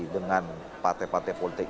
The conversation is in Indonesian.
dengan partai partai politik